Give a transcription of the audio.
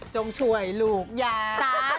จงช่วยลูกยา